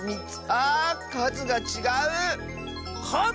あかずがちがう！かず？